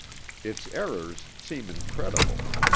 Its errors seem incredible.